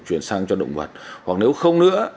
chuyển sang cho động vật hoặc nếu không nữa